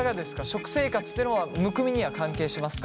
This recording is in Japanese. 食生活っていうのはむくみには関係しますか？